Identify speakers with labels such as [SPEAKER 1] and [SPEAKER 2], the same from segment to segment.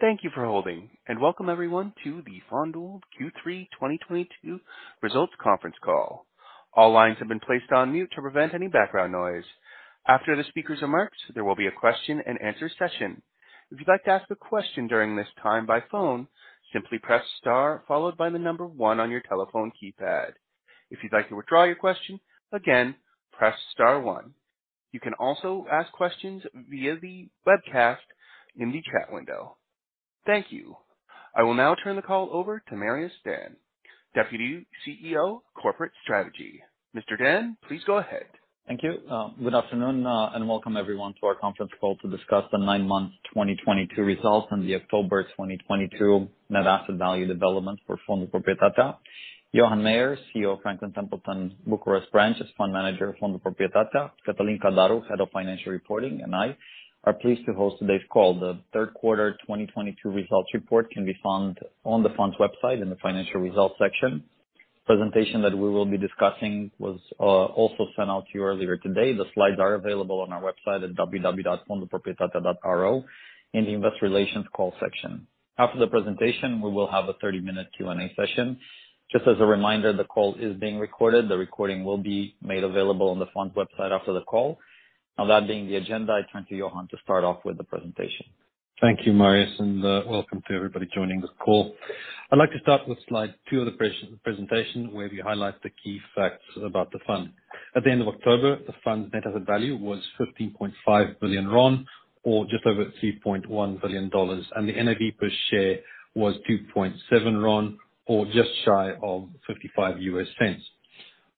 [SPEAKER 1] Thank you for holding, and welcome everyone to the Fondul Q3 2022 Results Conference Call. All lines have been placed on mute to prevent any background noise. After the speakers' remarks, there will be a question-and-answer session. If you'd like to ask a question during this time by phone, simply press star followed by the number one on your telephone keypad. If you'd like to withdraw your question, again, press star one. You can also ask questions via the webcast in the chat window. Thank you. I will now turn the call over to Marius Dan, Deputy CEO, Corporate Strategy. Mr. Dan, please go ahead.
[SPEAKER 2] Thank you. Good afternoon, and welcome everyone to our conference call to discuss the nine-month 2022 results and the October 2022 net asset value development for Fondul Proprietatea. Johan Meyer, CEO of Franklin Templeton Bucharest Branch as Fund Manager of Fondul Proprietatea, Cătălin Cadaru, Head of Financial Reporting, and I, are pleased to host today's call. The third quarter 2022 results report can be found on the fund's website in the financial results section. Presentation that we will be discussing was also sent out to you earlier today. The slides are available on our website at www.fondulproprietatea.ro in the investor relations call section. After the presentation, we will have a 30-minute Q&A session. Just as a reminder, the call is being recorded. The recording will be made available on the fund website after the call. Now, that being the agenda, I turn to Johan to start off with the presentation.
[SPEAKER 3] Thank you, Marius, and welcome to everybody joining this call. I'd like to start with slide two of the presentation, where we highlight the key facts about the fund. At the end of October, the fund's net asset value was RON 15.5 billion, or just over $3.1 billion, and the NAV per share was RON 2.7, or just shy of $0.55.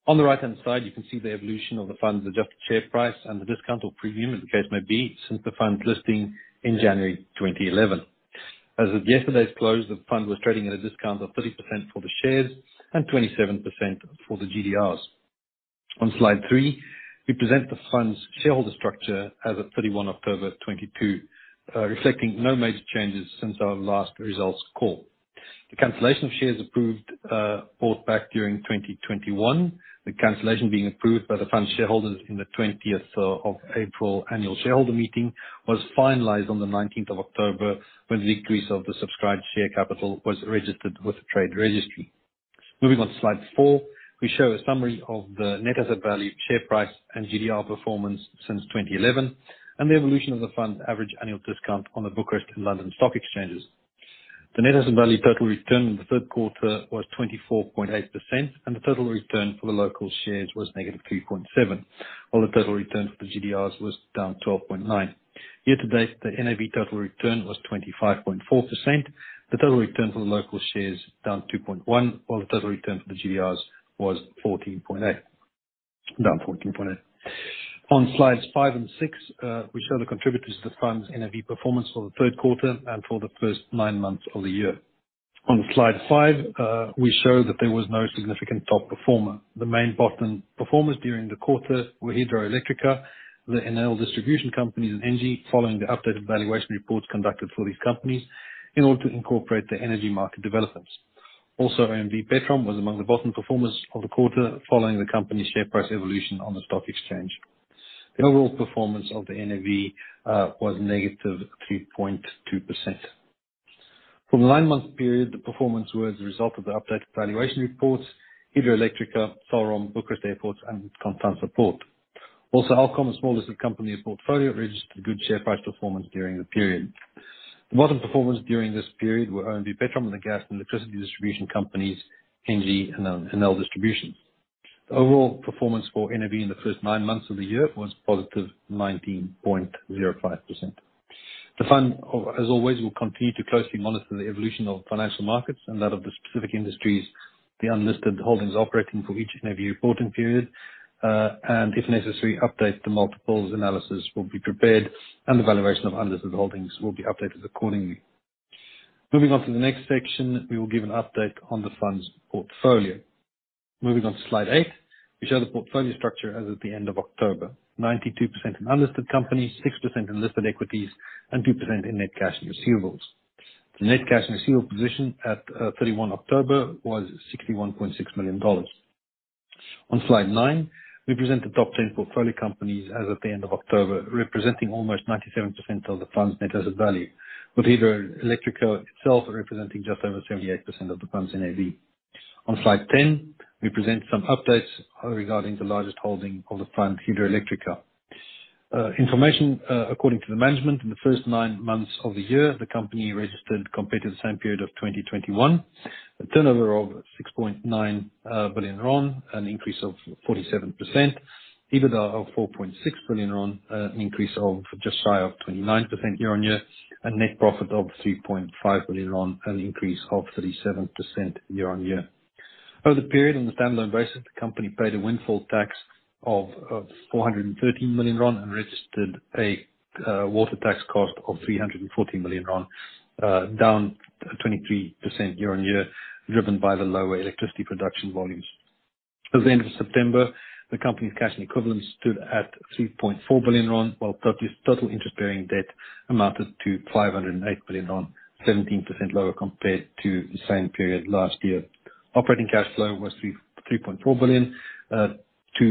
[SPEAKER 3] On the right-hand side, you can see the evolution of the fund's adjusted share price and the discount or premium, as the case may be, since the fund's listing in January 2011. As of yesterday's close, the fund was trading at a discount of 30% for the shares and 27% for the GDRs. On slide three, we present the fund's shareholder structure as of 31 October 2022, reflecting no major changes since our last results call. The cancellation of shares approved, brought back during 2021. The cancellation being approved by the fund shareholders in the 20th of April annual shareholder meeting, was finalized on the 19th of October, when the decrease of the subscribed share capital was registered with the trade registry. Moving on to slide four, we show a summary of the net asset value, share price, and GDR performance since 2011, and the evolution of the fund's average annual discount on the Bucharest and London stock exchanges. The net asset value total return in the third quarter was 24.8%, and the total return for the local shares was -3.7%, while the total return for the GDRs was down 12.9%. Year to date, the NAV total return was 25.4%. The total return for the local shares, down 2.1%, while the total return for the GDRs was 14.8%. Down 14.8%. On slides five and six, we show the contributors to the fund's NAV performance for the third quarter and for the first nine months of the year. On slide five, we show that there was no significant top performer. The main bottom performers during the quarter were Hidroelectrica, the Enel Distribution companies, and Engie, following the updated valuation reports conducted for these companies in order to incorporate the energy market developments. Also, OMV Petrom was among the bottom performers of the quarter following the company's share price evolution on the stock exchange. The overall performance of the NAV was negative 3.2%. For the nine-month period, the performance was a result of the updated valuation reports, Hidroelectrica, Salrom, Bucharest Airports, and Port of Constanța. Also, Alcom, the smallest company in the portfolio, registered good share price performance during the period. The bottom performers during this period were OMV Petrom and the gas and electricity distribution companies, Engie and Enel Distribution. The overall performance for NAV in the first nine months of the year was positive 19.05%. The fund, as always, will continue to closely monitor the evolution of financial markets and that of the specific industries the unlisted holdings operating for each NAV reporting period. If necessary, update the multiples analysis will be prepared and the valuation of unlisted holdings will be updated accordingly. Moving on to the next section, we will give an update on the fund's portfolio. Moving on to slide eight, we show the portfolio structure as at the end of October. 92% in unlisted companies, 6% in listed equities, and 2% in net cash and receivables. The net cash and receivable position at 31 October was $61.6 million. On slide nine, we present the top 10 portfolio companies as at the end of October, representing almost 97% of the fund's net asset value, with Hidroelectrica itself representing just over 78% of the fund's NAV. On slide ten, we present some updates regarding the largest holding of the fund, Hidroelectrica. Information according to the management, in the first nine months of the year, the company registered, compared to the same period of 2021, a turnover of RON 6.9 billion, an increase of 47% year-over-year. EBITDA of RON 4.6 billion, an increase of just shy of 29% year-over-year, and net profit of RON 3.5 billion, an increase of 37% year-over-year. Over the period, on a standalone basis, the company paid a windfall tax of RON 413 million and registered a water tax cost of RON 314 million, down 23% year-on-year, driven by the lower electricity production volumes. As of the end of September, the company's cash and equivalents stood at RON 3.4 billion, while total interest-bearing debt amounted to RON 508 billion, 17% lower compared to the same period last year. Operating cash flow was 3.4 billion to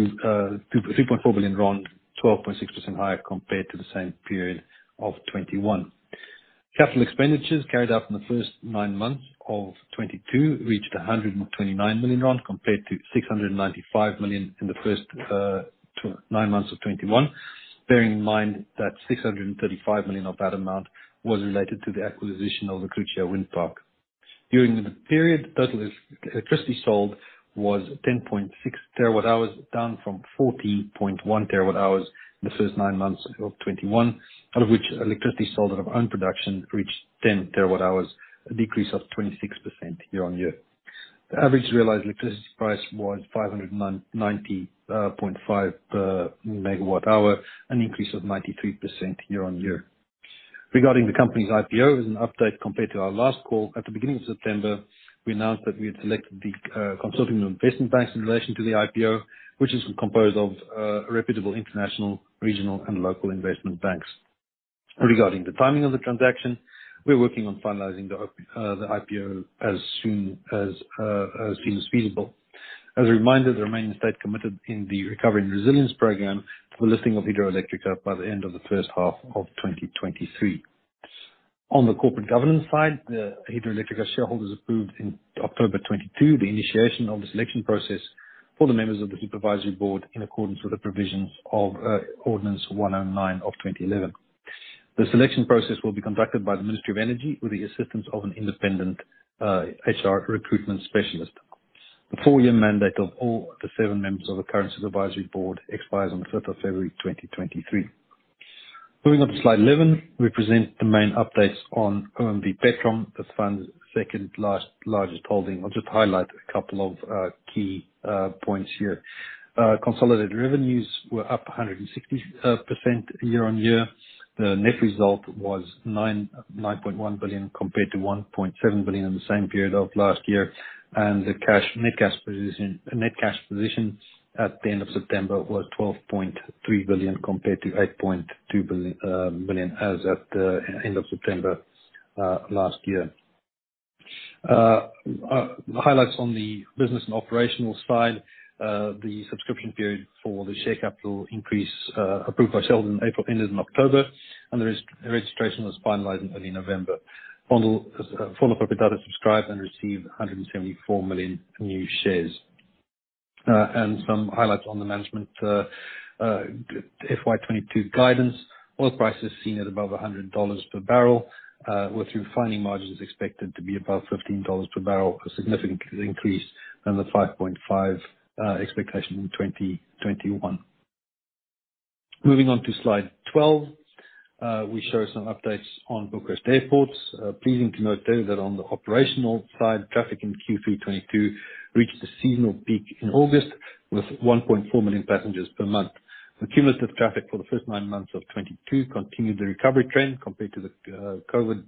[SPEAKER 3] 3.4 billion RON, 12.6% higher compared to the same period of 2021. Capital expenditures carried out in the first nine months of 2022 reached RON 129 million, compared to RON 695 million in the first nine months of 2021, bearing in mind that RON 635 million of that amount was related to the acquisition of the Crucea Wind Park. During the period, total electricity sold was 10.6 TWh, down from 14.1 TWh in the first nine months of 2021. Out of which, electricity sold out of own production reached 10 TWh, a decrease of 26% year-on-year. The average realized electricity price was RON 590.5 per MWh, an increase of 93% year-on-year. Regarding the company's IPO, as an update compared to our last call, at the beginning of September, we announced that we had selected the consulting and investment banks in relation to the IPO, which is composed of reputable international, regional, and local investment banks. Regarding the timing of the transaction, we're working on finalizing the IPO as soon as as seems feasible. As a reminder, the Romanian state committed in the Recovery and Resilience Program to the listing of Hidroelectrica by the end of the first half of 2023. On the corporate governance side, the Hidroelectrica shareholders approved in October 2022 the initiation of the selection process for the members of the Supervisory Board, in accordance with the provisions of Ordinance 109 of 2011. The selection process will be conducted by the Ministry of Energy with the assistance of an independent HR recruitment specialist. The four-year mandate of all the seven members of the current Supervisory Board expires on the fifth of February 2023. Moving on to slide 11, we present the main updates on OMV Petrom, the fund's second largest holding. I'll just highlight a couple of key points here. Consolidated revenues were up 160% year-on-year. The net result was RON 9.1 billion compared to RON 1.7 billion in the same period of last year, and the net cash position at the end of September was RON 12.3 billion compared to RON 8.2 billion as at the end of September last year. Highlights on the business and operational side. The subscription period for the share capital increase, approved by shareholders in April, ended in October, and the re-registration was finalized in early November. Fondul Proprietatea subscribed and received 174 million new shares. Some highlights on the management FY 2022 guidance. Oil prices seen at above $100 per barrel, with refining margins expected to be above $15 per barrel, a significant increase than the 5.5 expectation in 2021. Moving on to slide 12, we show some updates on Bucharest Airports. Pleasing to note there that on the operational side, traffic in Q3 2022 reached a seasonal peak in August with 1.4 million passengers per month. Cumulative traffic for the first nine months of 2022 continued the recovery trend compared to the COVID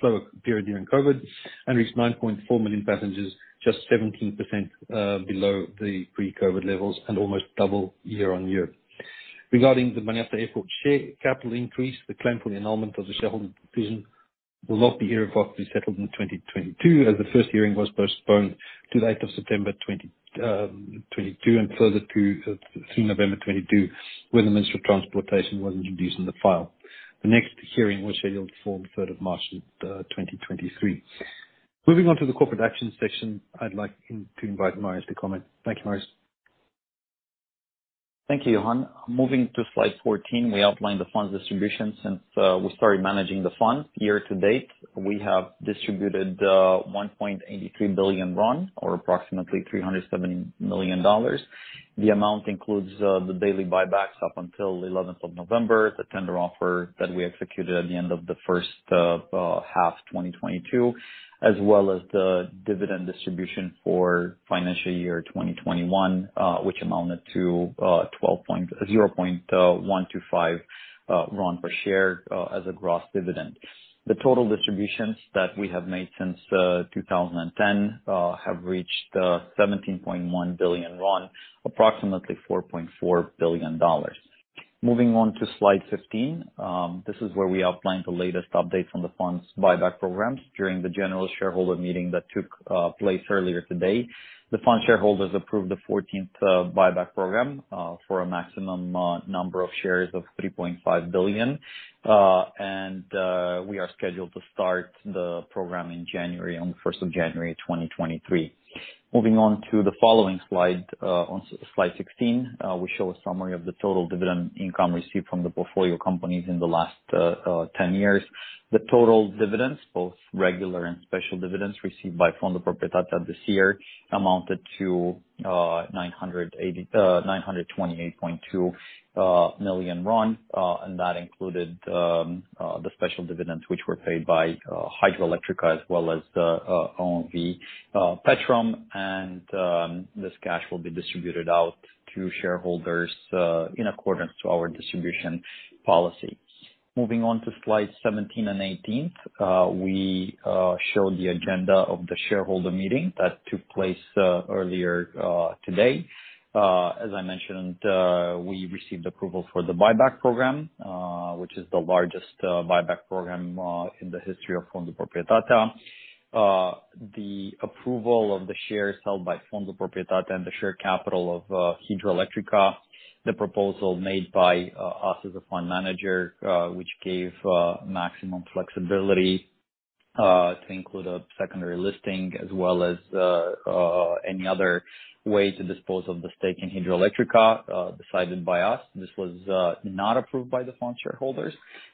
[SPEAKER 3] slower period during COVID, and reached 9.4 million passengers, just 17% below the pre-COVID levels and almost double year on year. Regarding the Bucharest Airport share capital increase, the claim for annulment of the shareholder decision will not be heard or settled in 2022, as the first hearing was postponed to the eighth of September 2022, and further to through November 2022, where the Minister of Transport and Infrastructure was introduced in the file. The next hearing was scheduled for the third of March 2023. Moving on to the corporate action section, I'd like to invite Marius to comment. Thank you, Marius.
[SPEAKER 2] Thank you, Johan. Moving to slide 14, we outlined the fund's distribution since we started managing the fund. Year to date, we have distributed RON 1.83 billion, or approximately $370 million. The amount includes the daily buybacks up until the eleventh of November, the tender offer that we executed at the end of the first half 2022, as well as the dividend distribution for financial year 2021, which amounted to 0.125 RON per share, as a gross dividend. The total distributions that we have made since 2010 have reached RON 17.1 billion, approximately $4.4 billion. Moving on to slide 15, this is where we outline the latest update from the fund's buyback programs. During the general shareholder meeting that took place earlier today, the fund shareholders approved the fourteenth buyback program for a maximum number of shares of 3.5 billion. We are scheduled to start the program in January, on the first of January 2023. Moving on to the following slide. On slide 16, we show a summary of the total dividend income received from the portfolio companies in the last 10 years. The total dividends, both regular and special dividends, received by Fondul Proprietatea this year amounted to RON 928.2 million, and that included the special dividends, which were paid by Hidroelectrica as well as OMV Petrom, and this cash will be distributed out to shareholders in accordance to our distribution policy. Moving on to slides 17 and 18, we show the agenda of the shareholder meeting that took place earlier today. As I mentioned, we received approval for the buyback program, which is the largest buyback program in the history of Fondul Proprietatea. The approval of the shares held by Fondul Proprietatea and the share capital of Hidroelectrica, the proposal made by us as a fund manager, which gave maximum flexibility to include a secondary listing as well as any other way to dispose of the stake in Hidroelectrica, decided by us. This was not approved by the fund shareholders.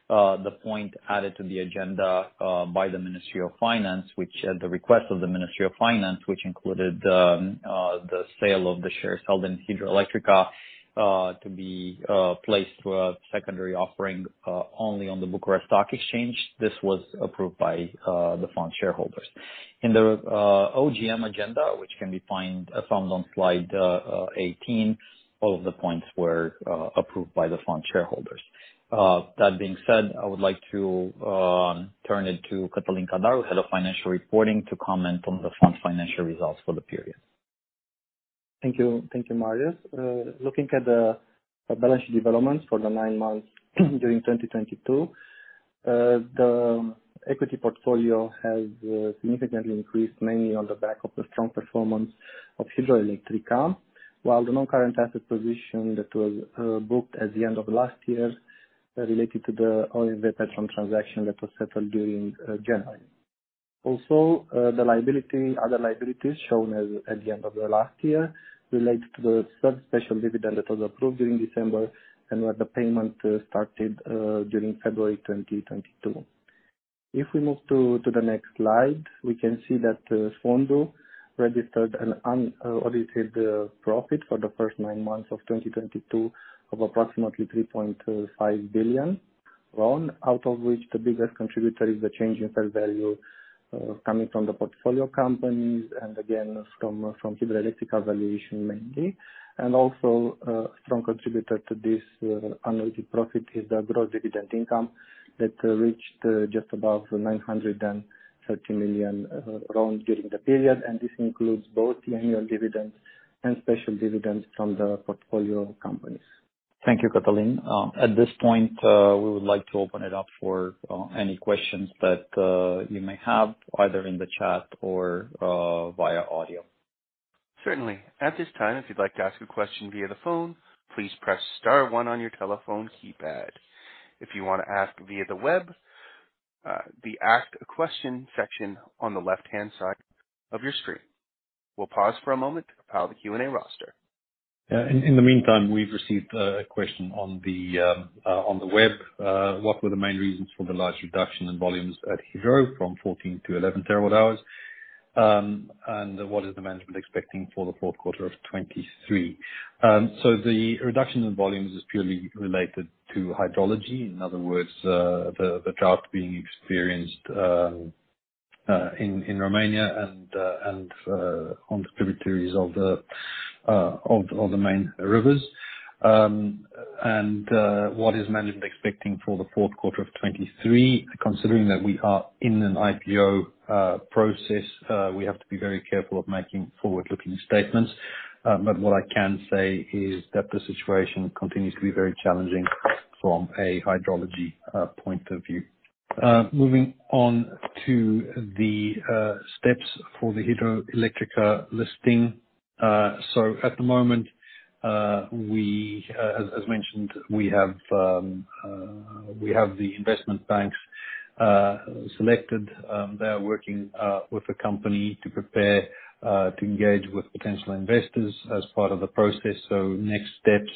[SPEAKER 2] The point added to the agenda by the Ministry of Finance, which at the request of the Ministry of Finance, which included the sale of the shares held in Hidroelectrica to be placed for a secondary offering only on the Bucharest Stock Exchange. This was approved by the fund shareholders. In the OGM agenda, which can be found on slide 18, all of the points were approved by the fund shareholders. That being said, I would like to turn it to Cătălin Cadaru, Head of Financial Reporting, to comment on the fund's financial results for the period.
[SPEAKER 4] Thank you. Thank you, Marius. Looking at the balance developments for the nine months during 2022, the equity portfolio has significantly increased, mainly on the back of the strong performance of Hidroelectrica. While the non-current asset position that was booked at the end of last year related to the OMV Petrom transaction that was settled during January. Also, the liability, other liabilities shown as at the end of the last year relate to the third special dividend that was approved during December, and where the payment started during February 2022. If we move to the next slide, we can see that Fondul registered an unaudited profit for the first nine months of 2022 of approximately RON 3.5 billion, out of which the biggest contributor is the change in fair value coming from the portfolio companies and again from Hidroelectrica valuation mainly. A strong contributor to this net profit is the gross dividend income that reached just above RON 930 million during the period. This includes both annual dividends and special dividends from the portfolio companies.
[SPEAKER 2] Thank you, Cătălin. At this point, we would like to open it up for any questions that you may have, either in the chat or via audio.
[SPEAKER 1] Certainly. At this time, if you'd like to ask a question via the phone, please press star one on your telephone keypad. If you wanna ask via the web, the Ask a Question section on the left-hand side of your screen. We'll pause for a moment to compile the Q&A roster.
[SPEAKER 3] In the meantime, we've received a question on the web. What were the main reasons for the large reduction in volumes at Hidro from 14 TWh-11 TWh? What is the management expecting for the fourth quarter of 2023? The reduction in volumes is purely related to hydrology. In other words, the drought being experienced in Romania and on the tributaries of the main rivers. What is management expecting for the fourth quarter of 2023? Considering that we are in an IPO process, we have to be very careful of making forward-looking statements. What I can say is that the situation continues to be very challenging from a hydrology point of view. Moving on to the steps for the Hidroelectrica listing. At the moment, as mentioned, we have the investment banks selected. They are working with the company to prepare to engage with potential investors as part of the process. Next steps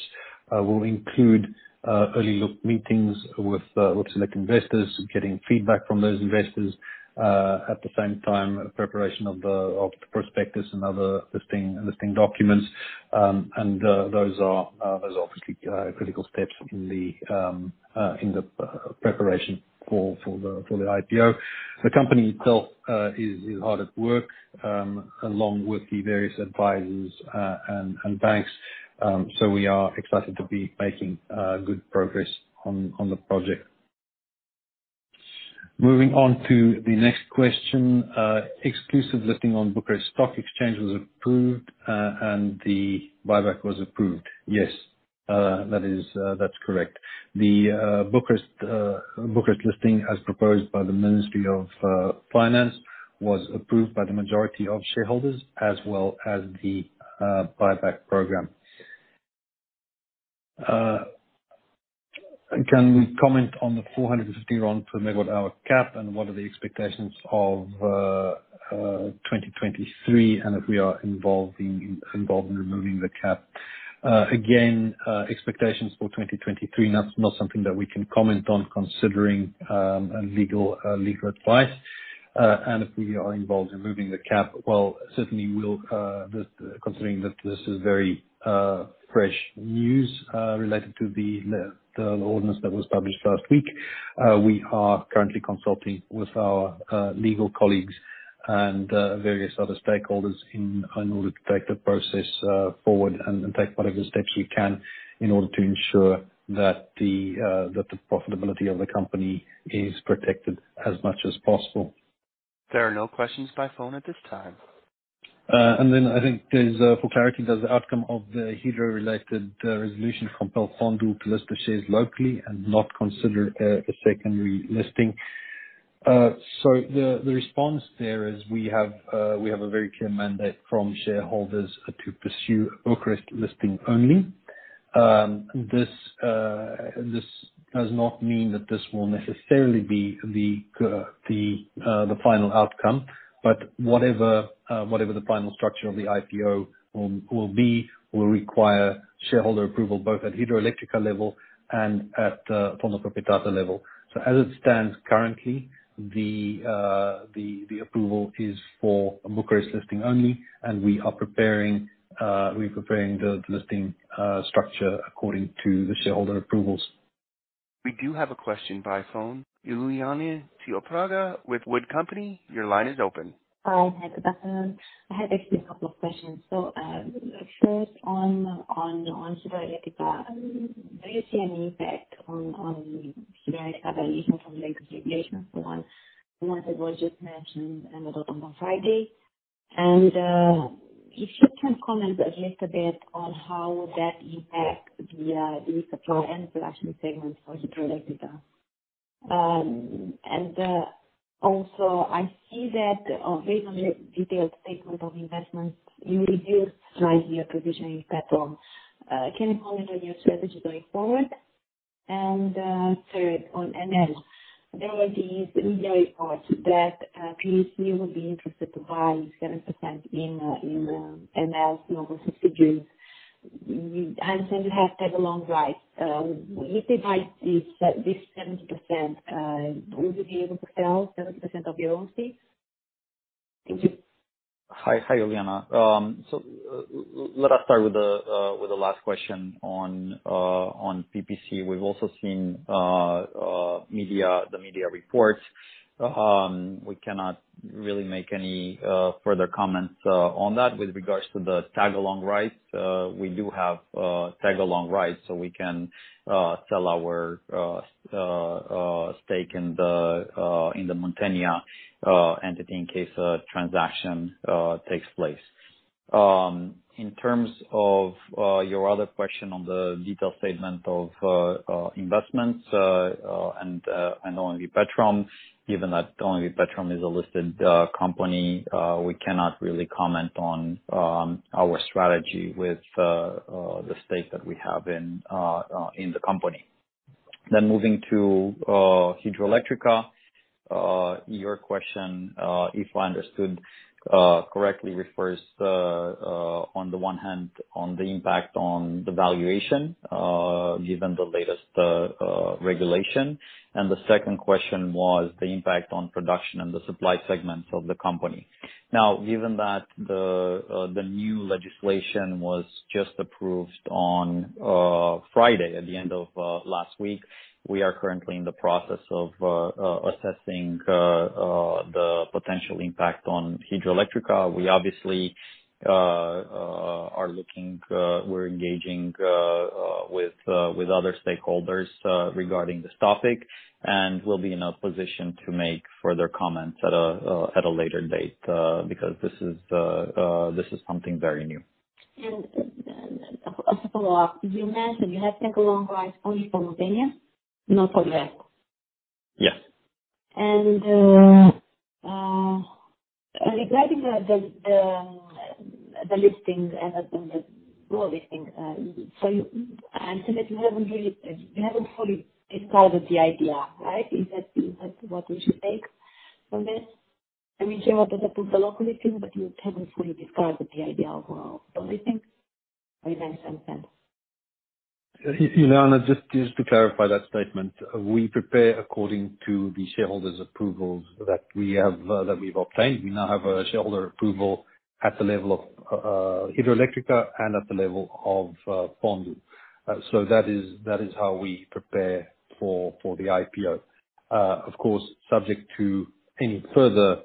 [SPEAKER 3] will include early look meetings with select investors, getting feedback from those investors. At the same time, preparation of the prospectus and other listing documents. Those are critical steps in the preparation for the IPO. The company itself is hard at work along with the various advisors and banks. We are excited to be making good progress on the project. Moving on to the next question. Exclusive listing on Bucharest Stock Exchange was approved, and the buyback was approved. Yes. That is, that's correct. The Bucharest listing, as proposed by the Ministry of Finance, was approved by the majority of shareholders as well as the buyback program. Can we comment on the 450 RON per MWh cap and what are the expectations for 2023, and if we are involved in removing the cap? Again, expectations for 2023, that's not something that we can comment on considering legal advice. If we are involved in removing the cap, well, certainly considering that this is very fresh news related to the ordinance that was published last week. We are currently consulting with our legal colleagues and various other stakeholders in order to take the process forward and take whatever steps we can in order to ensure that the profitability of the company is protected as much as possible.
[SPEAKER 1] There are no questions by phone at this time.
[SPEAKER 3] I think there's, for clarity, does the outcome of the Hidroelectrica-related resolution compel Fondul to list the shares locally and not consider a secondary listing? The response there is we have a very clear mandate from shareholders to pursue Bucharest listing only. This does not mean that this will necessarily be the final outcome, but whatever the final structure of the IPO will be will require shareholder approval, both at Hidroelectrica level and at Fondul Proprietatea level. As it stands currently, the approval is for a Bucharest listing only, and we're preparing the listing structure according to the shareholder approvals.
[SPEAKER 1] We do have a question by phone. Iuliana Ciopraga with WOOD & Company, your line is open.
[SPEAKER 5] Hi. Good afternoon. I had actually a couple of questions. First on Hidroelectrica, do you see any impact on Hidroelectrica valuation from the latest regulations, the one that was just mentioned and adopted on Friday? If you can comment at least a bit on how that impacts the supply and production segments for Hidroelectrica. Also I see that, based on the detailed statement of investments, you reduced slightly your position in Petrom. Can you comment on your strategy going forward? Third, on Enel. There were these media reports that PPC will be interested to buy 7% in Enel's global distribution. I understand you have tag-along rights. If they buy this 70%, would you be able to sell 7% of your own stake? Thank you.
[SPEAKER 2] Hi. Hi, Iuliana. Let us start with the last question on PPC. We've also seen the media reports. We cannot really make any further comments on that. With regards to the tag-along rights, we do have tag-along rights, so we can sell our stake in the Muntenia entity in case a transaction takes place. In terms of your other question on the detailed statement of investments and on the Petrom, given that only Petrom is a listed company, we cannot really comment on our strategy with the stake that we have in the company. Moving to Hidroelectrica. Your question, if I understood correctly, refers on the one hand to the impact on the valuation given the latest regulation. The second question was the impact on production and the supply segments of the company. Now, given that the new legislation was just approved on Friday, at the end of last week, we are currently in the process of assessing the potential impact on Hidroelectrica. We obviously we're engaging with other stakeholders regarding this topic, and we'll be in a position to make further comments at a later date because this is something very new.
[SPEAKER 5] A follow-up. You mentioned you have tag-along rights only for Muntenia, not for Petrom?
[SPEAKER 3] Yes.
[SPEAKER 5] Regarding the listing and the global listings, I understand that you haven't fully discarded the idea, right? Is that what we should take from this? I mean, sure, you have the approval locally too, but you haven't fully discarded the idea of global listings? Or you haven't decided?
[SPEAKER 2] Iuliana, just to clarify that statement, we prepare according to the shareholders' approvals that we have, that we've obtained. We now have a shareholder approval at the level of Hidroelectrica and at the level of Fondul. That is how we prepare for the IPO. Of course, subject to any further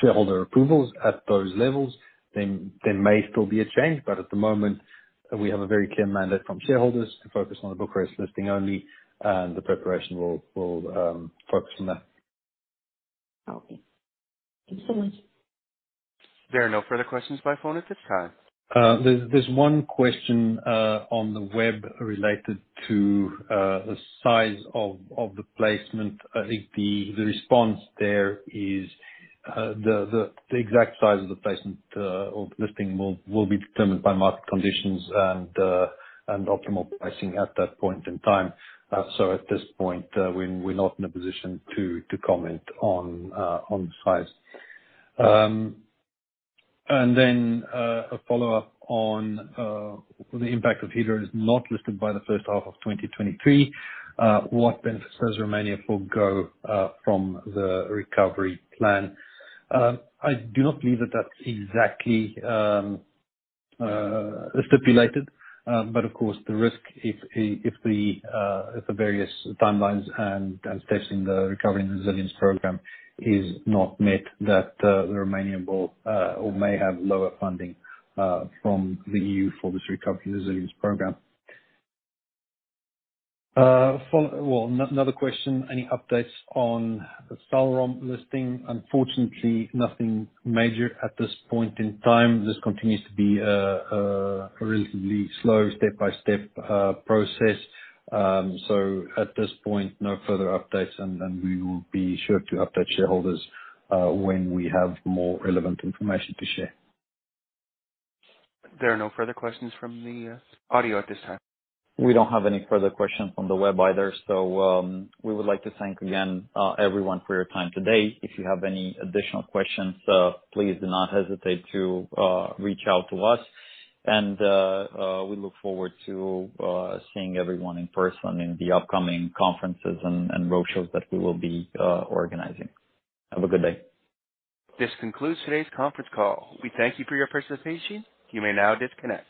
[SPEAKER 2] shareholder approvals at those levels, there may still be a change. At the moment, we have a very clear mandate from shareholders to focus on the Bucharest listing only, and the preparation will focus on that.
[SPEAKER 5] Okay. Thank you so much.
[SPEAKER 1] There are no further questions by phone at this time.
[SPEAKER 3] There's one question on the web related to the size of the placement. I think the response there is the exact size of the placement or listing will be determined by market conditions and optimal pricing at that point in time. At this point, we're not in a position to comment on the size. A follow-up on the impact if Hidroelectrica is not listed by the first half of 2023. What benefits does Romania forego from the recovery plan? I do not believe that that's exactly stipulated, but of course, the risk if the various timelines and testing the Recovery and Resilience Program is not met, that Romania will or may have lower funding from the EU for this Recovery and Resilience Program. Well, another question. Any updates on the Salrom listing? Unfortunately, nothing major at this point in time. This continues to be a relatively slow step-by-step process. At this point, no further updates, and we will be sure to update shareholders when we have more relevant information to share.
[SPEAKER 1] There are no further questions from the audio at this time.
[SPEAKER 2] We don't have any further questions from the web either. We would like to thank again everyone for your time today. If you have any additional questions, please do not hesitate to reach out to us. We look forward to seeing everyone in person in the upcoming conferences and roadshows that we will be organizing. Have a good day.
[SPEAKER 1] This concludes today's conference call. We thank you for your participation. You may now disconnect.